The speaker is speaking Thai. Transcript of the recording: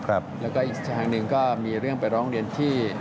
แล้วก็อีกทางหนึ่งก็มีเรื่องไปร้องเรียนที่